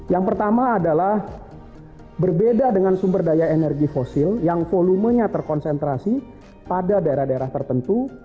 yang pertama adalah berbeda dengan sumber daya energi fosil yang volumenya terkonsentrasi pada daerah daerah tertentu